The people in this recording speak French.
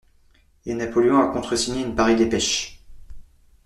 Et Napoléon a contresigné une pareille dépêche!